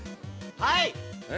はい！